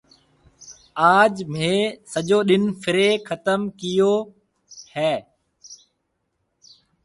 آج مهيَ سجو ڏن ڦرِيَ ختم ڪئيو هيَ۔